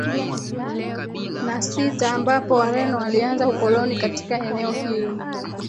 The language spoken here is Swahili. Na sita ambapo Wareno walianza ukoloni katika eneo hili